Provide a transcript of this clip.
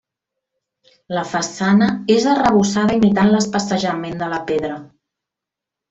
La façana és arrebossada imitant l'especejament de la pedra.